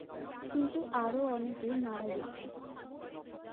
কিন্তু আরো অনেকেই মারা গেছে।